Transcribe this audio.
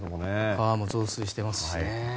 川も増水してますしね。